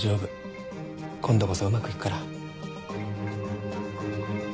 今度こそうまくいくから。